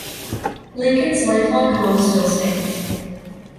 Lincoln's lifelong home still stands.